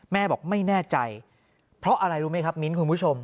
แม่บอกไม่แน่ใจเพราะอะไรรู้ไหมครับมิ้นคุณผู้ชม